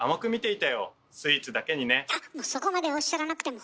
あっそこまでおっしゃらなくても！